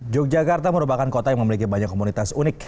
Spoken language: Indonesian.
yogyakarta merupakan kota yang memiliki banyak komunitas unik